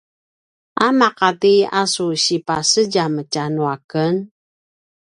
a maqati a su sipasedjam tja nuaken?